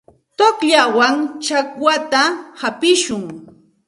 Tuqllawan chakwata hapishun.